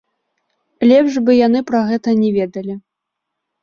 Лепш бы яны пра гэта не ведалі.